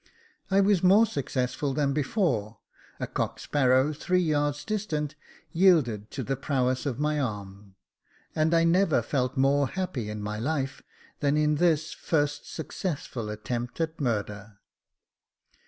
I was more successful than before ; a cock sparrow three yards distant yielded to the prowess of my arm, and I never felt more happy in my life than in this first successful attempt at murder.